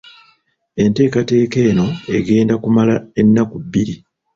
Enteekateeka eno egenda kumala ennaku bbiri